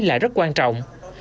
là rất quan trọng